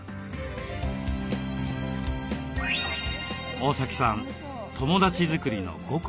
大崎さん